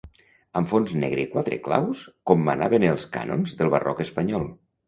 Amb fons negre i quatre claus, com manaven els cànons del barroc espanyol.